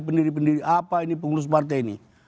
pendiri pendiri apa ini pengurus partai ini